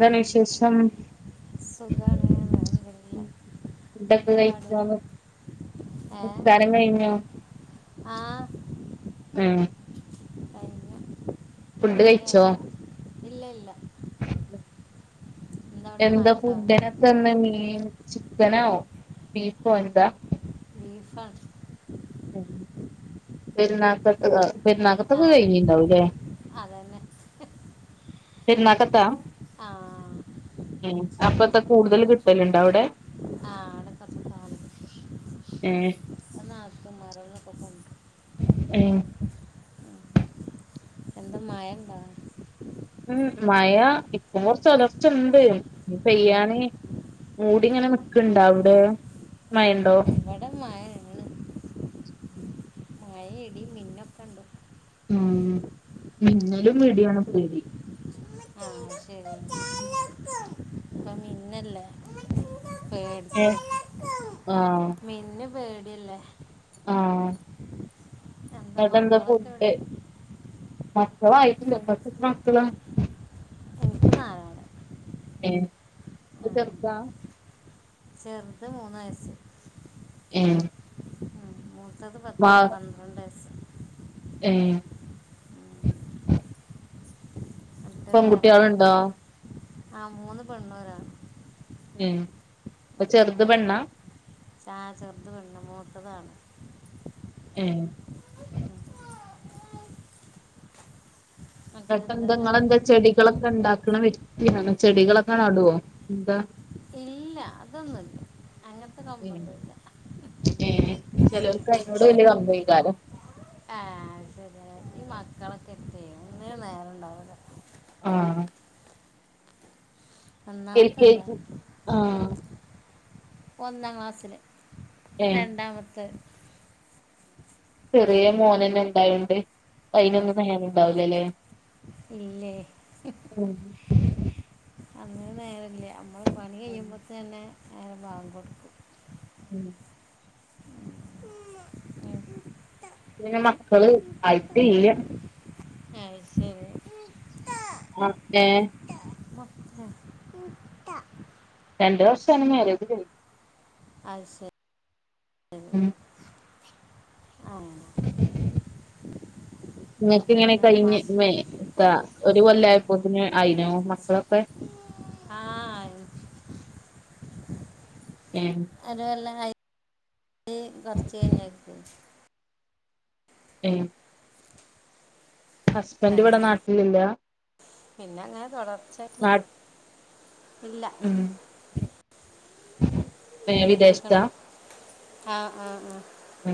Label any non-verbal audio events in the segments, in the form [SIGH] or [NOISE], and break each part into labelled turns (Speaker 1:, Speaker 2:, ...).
Speaker 1: ക്കെ
Speaker 2: വിശേഷം
Speaker 1: സുഖാണ് അൽഹംദുലില്ലാഹ്
Speaker 2: ഫുഡോക്കെ കഴിച്ചോ?
Speaker 1: ഏ
Speaker 2: നിസ്‌കാരം കഴിഞ്ഞോ
Speaker 1: ആ
Speaker 2: ഉം
Speaker 1: കഴിഞ്ഞു
Speaker 2: ഫുഡ്
Speaker 1: എന്തൊക്കെ
Speaker 2: കഴിച്ചോ
Speaker 1: അവിടെ ഇല്ല ഇല്ല
Speaker 2: [UNINTELLIGIBLE]
Speaker 1: അവിടെ മഴ
Speaker 2: എന്താ
Speaker 1: ഉണ്ടാവും
Speaker 2: ഫുഡിനൊക്കെന്ന് മീൻ ചിക്കനോ ബീഫ് ഓൽതാ.
Speaker 1: ബീഫാണ്.
Speaker 2: ഉം പെരുന്നാൾക്കെത്തേതോ.
Speaker 1: ആ
Speaker 2: പെരുന്നാൾക്കെതൊക്കെ കഴിഞ്ഞീണ്ടാവുലെ
Speaker 1: അതന്നെ
Speaker 2: പെരുന്നാക്കത്താ.
Speaker 1: ആ
Speaker 2: ഉം അപ്പത്താ കൂടുതൽ കിട്ടല്ണ്ടൊ അവിടെ.
Speaker 1: ആ അവിടെ കുറച്ച് കാണും
Speaker 2: ഏ.
Speaker 1: അത്തു മാരോന്ന് ക്കെ കോണ്ടരും.
Speaker 2: ഏ.
Speaker 1: എന്താ മയണ്ടൊ?
Speaker 2: ഉം മയ ഇപ്പം കൊറച്ച് ഒലർച്ചണ്ട് പെയ്യാന് മൂടി ഇങ്ങനെ നിക്ക്‌ ണ്ട് അവിടെ മയണ്ടോ
Speaker 1: ഇവിടെ മഴേണ്.
Speaker 2: ഉം
Speaker 1: മഴിം ഇടിം മിന്നൊക്കെണ്ട്
Speaker 2: ഉം മിന്നലും ഇടി ആണ് പേടി
Speaker 1: ആ ശരിയാ
Speaker 2: ഉം
Speaker 1: ഇപ്പം മിന്നല്ലേ
Speaker 2: ഏഹ്
Speaker 1: പേടിച്ച്ട്ട്
Speaker 2: ആഹ്
Speaker 1: മിന്ന്‌ പേടിയല്ലേ
Speaker 2: ആഹ്
Speaker 1: എന്താ
Speaker 2: ഇങ്ങക്കെന്താ
Speaker 1: മക്കളൊക്കെ ഇവിടെ
Speaker 2: ഫുഡ് മക്കളായിട്ടില്ല ങ്ങക്കെത്ര മക്കളാ
Speaker 1: എനിക്ക് നാലാള്.
Speaker 2: ഏഹ് ഒക്കെ
Speaker 1: ഉം.
Speaker 2: ചെറുതാ.
Speaker 1: ചെറുത് മൂന്ന് വയസ്സ്.
Speaker 2: ഉം
Speaker 1: അടുത്തെ പത്ത് പന്ത്രണ്ടയസ്സ്
Speaker 2: ഉം പെൺകുട്ടേളുണ്ടോ
Speaker 1: ആഹ് മൂന്ന് പെണ്ണും ഒരാണും.
Speaker 2: ഉം ചെറുത് പെണ്ണാ?
Speaker 1: ചാ ചെറുത് പെണ്ണ് മൂത്തതാണ്
Speaker 2: ഉം
Speaker 1: ഉം.
Speaker 2: ന്നട്ടെന്താ
Speaker 1: മറ്റെന്തെല്ലാം
Speaker 2: ങ്ങെളെന്താ ചെടികളൊക്കെ ഉണ്ടാക്ക്‌ണെ വ്യക്തിയാണോ ചെടികളൊക്കെ നടോ എന്താ
Speaker 1: ഇല്ല അതൊന്നുംല്ല അങ്ങത്തെ
Speaker 2: ഏഹ്
Speaker 1: കമ്പന്നൂ ല്ല
Speaker 2: ഏഹ് ചിലവർക്ക് അതിനോട് വല്യ കമ്പേക്കാരം.
Speaker 1: ആഹ് ശരി ഈ മക്കളൊക്കെ ആയിട്ട് ഒന്നിനും നേരം ഇണ്ടാവൂല്ല.
Speaker 2: ആ
Speaker 1: ഒന്നാമത്തെ
Speaker 2: എയ്ക്ക്ക്ക്
Speaker 1: അതാണ്
Speaker 2: ‌ ആഹ്
Speaker 1: ഒന്നാം ക്ലാസ്സില്
Speaker 2: ഏഹ്
Speaker 1: രണ്ടാമത്തെ
Speaker 2: ചെറിയ മോനന്നെ ഇണ്ടായോണ്ട് അയിനൊന്നും നേരം ഉണ്ടാവൂലല്ലേ?
Speaker 1: ഇല്ലേയ്
Speaker 2: ആഹ
Speaker 1: ചെന്നെ ബാങ്ക്ക്കൊടുക്കും
Speaker 2: ഉം പിന്നെ
Speaker 1: ഉം.
Speaker 2: മക്കള് ആയിട്ട്ല്ല
Speaker 1: അഹ് ശെരി
Speaker 2: ഓക്കേ
Speaker 1: മൊത്തം.
Speaker 2: രണ്ടു വർഷാണ് മേരേജ്കയ്ഞ്ട്ട്
Speaker 1: അത് ശെരി
Speaker 2: ഉം
Speaker 1: അങ്ങനെ
Speaker 2: [INAUDIBLE] നിങ്ങക്ക് ഇങ്ങനെ
Speaker 1: എന്നിട്ടെന്താ മാ
Speaker 2: കഴിഞ് മെ എത്താ ഒരു കൊല്ലയപ്പോത്തിന് അയിനോ മക്കളൊക്കെ
Speaker 1: ആഹ് ആയി
Speaker 2: ഏ
Speaker 1: ഒരു കൊല്ലമ് കയ്ഞ് കോർച്ച്കയ്ഞ്ഞപ്പോ
Speaker 2: ഏ ഹസ്ബൻഡ്
Speaker 1: ആയി
Speaker 2: ഇവിടെ നാട്ടിലില്ല
Speaker 1: പിന്നെ അങ്ങനെ തുടർച്ചായിട്ട്
Speaker 2: നാട്ട്
Speaker 1: ഇല്ല
Speaker 2: പിന്നെ വിദേശതാ
Speaker 1: ആഹ ആഹ ആഹ
Speaker 2: ഉ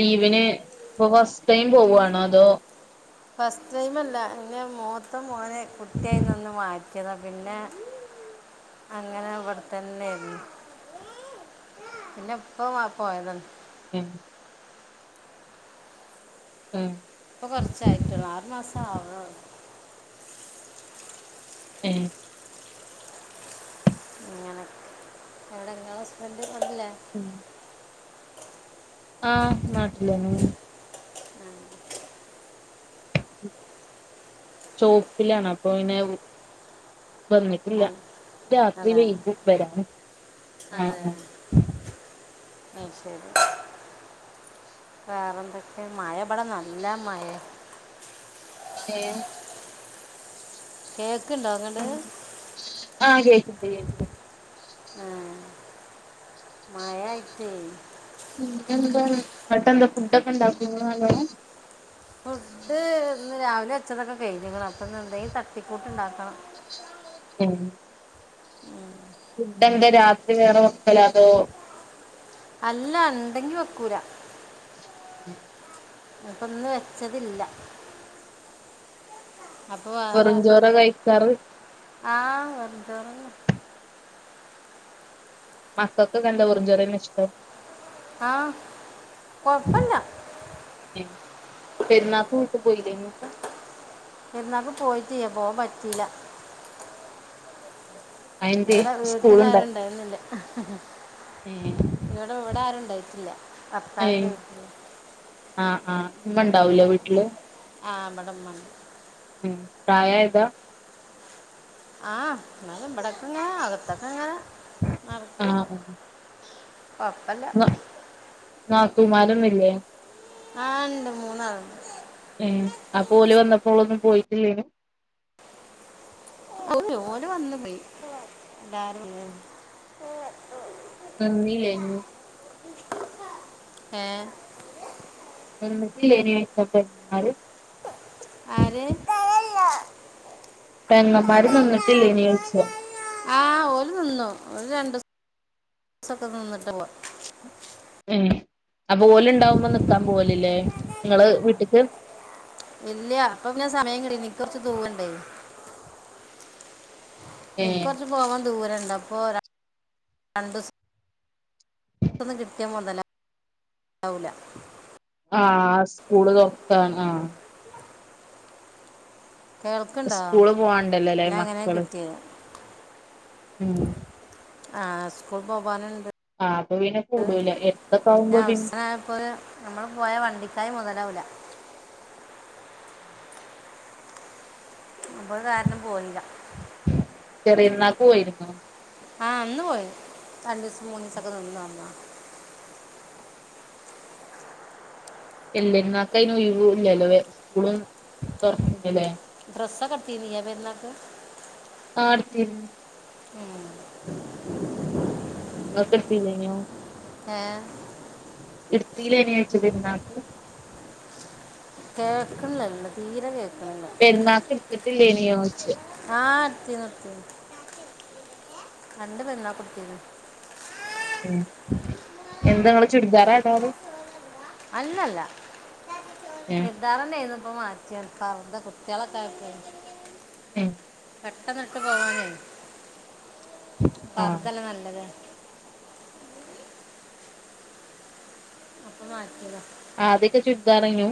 Speaker 2: ലീവിന് ഇപ്പ ഫസ്റ്റ് ടൈം പോവുവാണോ അതോ
Speaker 1: ഫസ്റ്റ് ടൈംല്ല ഇന്നെ മൂത്ത മോനെ കുട്ടിയായിന്നന്ന് മാറ്റിയതാ പിന്നെ അങ്ങനെ അവിടെത്തന്നെരുന്നു പിന്നെ ഇപ്പ മാ പോയത
Speaker 2: ഉം ഉം
Speaker 1: ഇപ്പൊ കൊറച്ചായിട്ടുള്ളൂ ആറുമാസവ്ന്നുള്ളു
Speaker 2: എഏ
Speaker 1: ങ്ങനെ എവിടെ ങ്ങളെ ഹസ്ബണ്ട്
Speaker 2: ഉ ആഹ് നാട്ടില്ലേന്നെണ് ശോപ്പിലാണ് അപ്പൊ പിന്നെ വു വന്നിട്ടില്ല രാത്രി
Speaker 1: അതെ
Speaker 2: വെയ്കും വരാന്
Speaker 1: അതെ അ അത് ശെരി വേറെന്തൊക്കെ മഴബടെ നല്ല മയെ
Speaker 2: ഏ
Speaker 1: കേക്ക്ണ്ടോ അങ്ങട്
Speaker 2: ഏയ്‌
Speaker 1: ആഹ് മയായ്റ്റെയ്
Speaker 2: ഉപിന്നെ ന്ത ന്നട്ടെന്ത ഫുഡ് ഒക്കെ
Speaker 1: ഫുഡ്‌ഹ് ഇന്ന് രാവിലെ വെച്ചതൊക്കെ കഴ്‌ഞ്ക്ക്ണ് അപ്പന്ന് ന്തെങ്കും തട്ടിക്കൂട്ട് ഉണ്ടാക്കണം
Speaker 2: ഉം ഫുഡെന്താ രാത്രി വേറെ വെക്കലാ അതോ
Speaker 1: അല്ല ഇണ്ടെങ്കി വെക്കൂലാ
Speaker 2: ഉം
Speaker 1: അപ്പ ഇന്ന് വെച്ചതില്ല അപ്പോൾ
Speaker 2: വെറുഞ്ചോറാ കഴിക്കാറ്?
Speaker 1: ആഹ് വെറുഞ്ചോറെന്നെ
Speaker 2: മക്കൾക് എന്താ [UNINTELLIGIBLE] ഇഷ്ടം
Speaker 1: ആ കുഴപ്പമില്ല
Speaker 2: പെരുനാൾക് വീട്ടി പോയിലെനു അപ്പൊ
Speaker 1: പെരുനാൾക് പോയിട്ടില്ല പോൻ പറ്റീല്ല
Speaker 2: അയെന്തേ
Speaker 1: ഇടാ
Speaker 2: സ്കൂള്ണ്ടാ
Speaker 1: വീട്ടുകാരുണ്ടായിരുന്നില്ല
Speaker 2: ഏഹ്
Speaker 1: ഇവിടെ ഇവിടെ ആരുണ്ടായിറ്റില്ല
Speaker 2: ഏഹ്
Speaker 1: ഭർത്താവിന്റെ വീട്ടില്
Speaker 2: ആഹ് ആഹ് ഇമ്മ ഇണ്ടാവൂലെ വീട്ടില്?
Speaker 1: [UNINTELLIGIBLE]
Speaker 2: ഉം പ്രായയതാ
Speaker 1: ആ എന്നാലും ബടക്കങ്ങന അകത്തക്കങ്ങന നടക്കും
Speaker 2: ആഹ് ആഹ്
Speaker 1: കൊയ്‌പല്ല
Speaker 2: നാത്തൂമാരൊന്നില്ലേ
Speaker 1: ആ ഇണ്ട് മൂന്നാളിണ്ട്
Speaker 2: ഏഹ് അപ്പോ ഓൽ വന്നപ്പോളൊന്നും പോയിട്ടില്ലേനു
Speaker 1: ഓല് വന്നു പോയി എല്ലാരും
Speaker 2: വന്നിലെനു
Speaker 1: ഏഹ്
Speaker 2: നിന്നിട്ടില്ലെന് [UNINTELLIGIBLE]
Speaker 1: ആര്
Speaker 2: പെങ്ങമ്മാർ നിന്നിട്ടില്ലേ ന്ന് ചോദിച്ചതാ
Speaker 1: ആ ഒരു നിന്നു ഓരു രണ്ട് ദിവസൊക്കെ നിന്നിട്ട് പോയ്
Speaker 2: ഇഹ് അപ്പൊ ഓല് ഉണ്ടാവുമ്പോ നിക്കാൻ പോവലില്ലേ നിങ്ങള് വീട്ട്ക്ക്
Speaker 1: ഇല്ല അപ്പൊ പിന്നാ സമയം കിട്ടി എനിക്ക് കുറച്ച് ദൂരം ഇണ്ടേ എനിക്ക്
Speaker 2: ഏഹ്
Speaker 1: കുറച്ച് പോവാൻ ദൂരം ഇണ്ട് അപ്പൊ രണ്ടിസ പുത്തൊന്ന് കിട്ടിയ മുതലാവൂല
Speaker 2: ആ സ്കൂൾ തുറക്കാണ് ആ
Speaker 1: കേൾക്കണ്ടോ
Speaker 2: സ്കൂള് പോവാണ്ടല്ലോല്ലേ
Speaker 1: പിന്നെ അങ്ങനെ
Speaker 2: മക്കള്
Speaker 1: കിട്ടിയത്
Speaker 2: ഉം
Speaker 1: ആഹ് സ്കൂൾ പോവാനുണ്ട്
Speaker 2: ആഹ് അപ്പൊ പിന്നെ കൂടുല. ഏഹ്
Speaker 1: ഞാനവസാനപ്പോയ നമ്മള് പോയാ വണ്ടിക്കായ് മൊതലാവൂല. അപ്പം കാരണം പോയില്ല.
Speaker 2: ചെറിയപെരുന്നാക്ക് പോയിരുന്നോ?
Speaker 1: ആഹ് അന്ന് പോയി. രണ്ടീസം മൂന്നീസൊക്കെ നിന്നു വന്നതാ.
Speaker 2: വല്യ പെരുന്നായിക്കയിന് ഒയിവും ഇല്ലല്ലോ സ്കൂള് തൊറന്നു കയിഞ്ഞില്ലേ?
Speaker 1: ഡ്രസൊക്കെ എടുത്തീനി യ്യ് പെരുന്നാക്ക്?
Speaker 2: അടുത്തിരുന്നു.
Speaker 1: ഉം
Speaker 2: ഇങ്ങക്കെടുത്തില്ലേനു?
Speaker 1: ഏഹ്
Speaker 2: എടുത്തില്ലേനിയ്യ് ചെറിയ പെരുനാക്ക്?
Speaker 1: കേക്കണതില്ല തീരെ കേക്
Speaker 2: പെരുന്നാക്ക് എടുത്തിട്ടില്ലേനിയോയിച്ചു.
Speaker 1: ആ ഇട്ത്തീനിത്തീനി രണ്ട് പെരുന്നാകുട്ത്തീനി
Speaker 2: ഉം എന്തങ്ങള് ചുരിദാരാ ഇടല്
Speaker 1: അല്ലല്ല
Speaker 2: ഏഹ്
Speaker 1: ചുരിദാറന്നേനു ഇപ്പ മാ റ്റി പർദ്ദ കുട്ടിയാളൊക്കായപ്പെ
Speaker 2: ഉം
Speaker 1: പെട്ടെന്നിട്ട് പോവാനേ
Speaker 2: ആഹ്
Speaker 1: പർദ്ദല്ലെ നല്ലത്. അപ്പൊ മാറ്റിയത.
Speaker 2: ആദ്യൊക്കെ ചുർദാറേനിയൂ?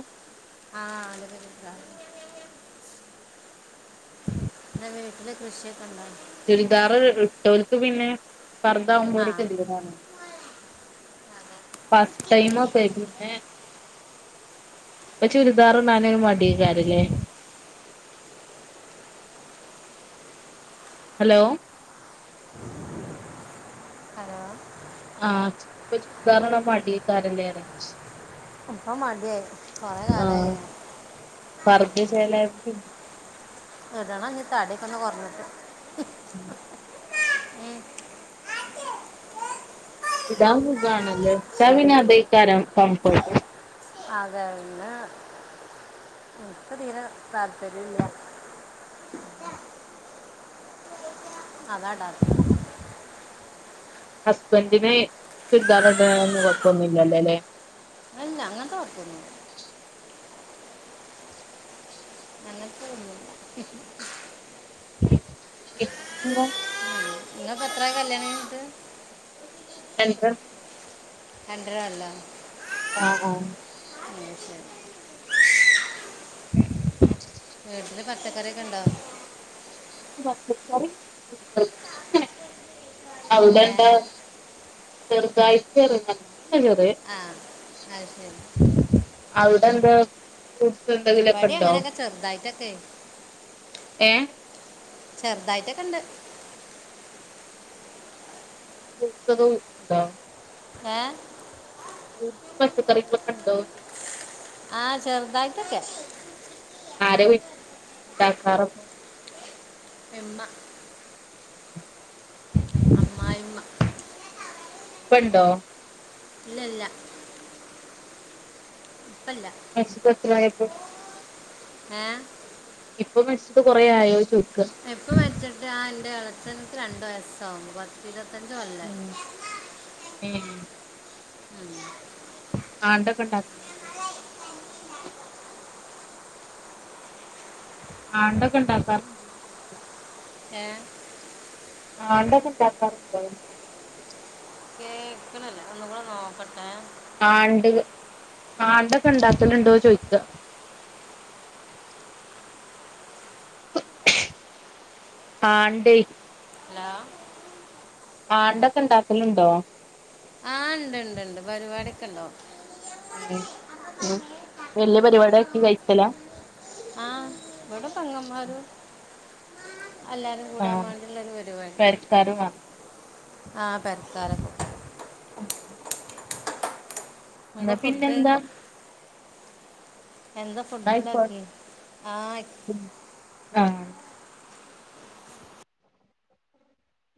Speaker 1: ആഹ, ആദ്യൊക്കെ ചുരിദാ [UNINTELLIGIBLE]
Speaker 2: [INAUDIBLE]
Speaker 1: വീട്ടില് കൃഷിയൊക്കെണ്ടോ?
Speaker 2: ചുരിദാർ ഇട്ടോൽക്കു പിന്നെ പർദ്ധാവുമ്പോ
Speaker 1: ആ
Speaker 2: ഒരു കെതിയേടാണ്. ഫസ്റ്റ് ടൈമൊക്കെ പിന്നെ ഇപ്പ ചുരിദാറിടാനൊക്കെ മടിയാക്കാരല്ലേ. ഹലോ
Speaker 1: [INAUDIBLE] ഹലോ
Speaker 2: ആ ഇപ്പ ചുരിദാർ ഇടാൻ മടിയാകാരല്ലേ
Speaker 1: ഇപ്പ മടിയായി കൊറേകാലയിലെ
Speaker 2: ഇട്ട് ചേലായപ്പം
Speaker 1: ഇടണം ഇഞ്ഞ് തടിയൊക്കെ കൊർഞ്ഞ്ട്ട്
Speaker 2: ഉം ഇടാൻ സുകാണല്ലേ ഇട്ടാപ്പിന്നെ അതേക്കാരം കംഫേർട്ട്
Speaker 1: അതെന്നെ ഇപ്പം തീരെ താല്പര്യല്ല.
Speaker 2: പേടി
Speaker 1: അതാഇടാതെ
Speaker 2: ഹസ്ബൻഡിന് ചുരിദാർ ഇട്ണേനൊന്നും കൊഴ്പ്പൊന്നുല്ലല്ലോ ലേ
Speaker 1: അല്ല അങ്ങനത്തെ കുഴപ്പമൊന്നുമില്ല അങ്ങൻത്തെതൊന്നുല്ല.
Speaker 2: പിന്നെന്താ
Speaker 1: ഇങ്ങൾ എത്രായി കല്യാണം കഴിഞ്ഞിട്ട്?
Speaker 2: രണ്ടര ർഷായി
Speaker 1: രണ്ടരകൊല്ലോ?
Speaker 2: ആ ആ [INAUDIBLE]
Speaker 1: വീട്ടില് പച്ചക്കറിയൊക്കെണ്ടോ?
Speaker 2: ഇൻക്ക് പച്ചക്കറി ഇഷ്ടല്ല്യ
Speaker 1: ഏ
Speaker 2: [UNINTELLIGIBLE] ചെറുതായിട്ട്
Speaker 1: ആ അത് ശരി
Speaker 2: [UNINTELLIGIBLE] ഔ എന്താ
Speaker 1: ഇവിടെ
Speaker 2: ഫ്രൂട്സെന്തെങ്കിലുക്കെണ്ടോ?
Speaker 1: അങ്ങനെയൊക്കെ ചെറുതായിട്ടൊക്കെ
Speaker 2: ഏ
Speaker 1: ചെറുതായിട്ടൊക്കെണ്ട്
Speaker 2: ഫ്രൂഡ്സൊക്കോ വി ഇണ്ടോ?
Speaker 1: ഏ
Speaker 2: ഫ്രൂഡ്സും പച്ചക്കറികളൊക്കെ ഇണ്ടോന്ന് ചോയ്ക്ക
Speaker 1: ആഹ് ചെർദായിട്ടൊക്കെ
Speaker 2: ആരെ [UNINTELLIGIBLE] ഉണ്ടാക്കാറപ്പോ?
Speaker 1: ഇമ്മ അമ്മായിമ്മ
Speaker 2: ഇപ്പണ്ടൊ?
Speaker 1: ഇല്ല ല്ല
Speaker 2: [UNINTELLIGIBLE]
Speaker 1: ങ്ഹേ
Speaker 2: ഇപ്പ മിസ്ഡ് കൊറേ ആയോ ചോയിച്ച്
Speaker 1: ഇപ്പ മരിച്ചിട്ട് ആഹ് എന്റെ എളേച്ചനുക്ക് രണ്ടു വയസ്സാവും. പത്തിരുപ പത്തു കൊല്ലായി.
Speaker 2: ഉം
Speaker 1: ഉം
Speaker 2: ആണ്ടൊക്കെ ഉണ്ടാക്കുന്നുണ്ടോ ആണ്ടൊക്കെ ഇണ്ടാക്കാറണ്ടോ ചോയ്ക്ക്യ
Speaker 1: ഏഹ്
Speaker 2: ആണ്ടോക്കെ ഇണ്ടാക്കാറുണ്ടോന്ന്
Speaker 1: കേക്കണില്ല, ഒന്ന് കൂടെ നോക്കട്ടെ.
Speaker 2: ആഹ് ഒണ്ട്. ആണ്ടൊക്കെ ഉണ്ടാക്കണുണ്ടോന്ന് ചോദിക്ക? ആണ്ട്
Speaker 1: ഹലോ
Speaker 2: ആണ്ടൊക്കെ ഉണ്ടാക്കല്ണ്ടോ?
Speaker 1: ആഹ് ഇണ്ട് ഇണ്ട് ഇണ്ട് പരിപാടികൊണ്ടോ
Speaker 2: ഏഹ് ഓഹ് വല്യ പരിപാടൊക്കെ കഴിക്കലാ?
Speaker 1: ആ ഇവിടെ പെങ്ങമാരു എല്ലാരും കൂടാൻ
Speaker 2: ആഹ്
Speaker 1: വേണ്ടുള്ള ഒരു പരിപാടി
Speaker 2: പെരക്കാര് മാത്രം
Speaker 1: ആഹ് പെരക്കാരോക്കക്കൂടി
Speaker 2: എന്ന
Speaker 1: എന്താ ഫുഡ്
Speaker 2: പിന്നെന്താ?
Speaker 1: എന്താ
Speaker 2: ന്നാ
Speaker 1: ഫുഡ്
Speaker 2: ആയിക്കോട്ടെ
Speaker 1: ഉണ്ടാക്കി ആഹ്
Speaker 2: ആഹ്